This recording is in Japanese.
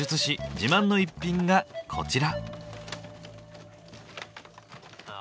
自慢の一品がこちら。